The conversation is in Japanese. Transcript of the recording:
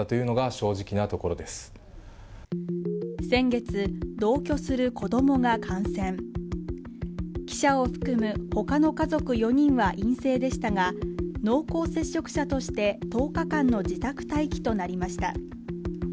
先月同居する子どもが感染記者を含むほかの家族４人は陰性でしたが濃厚接触者として１０日間の自宅待機となりました